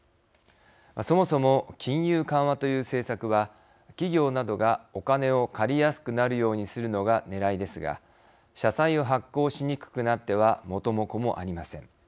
そもそも、金融緩和という政策は企業などがお金を借りやすくなるようにするのがねらいですが社債を発行しにくくなっては元も子もありません。